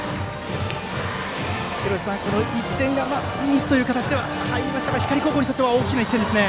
廣瀬さん、１点がミスという形で入りましたが光高校にとっては大きな１点ですね。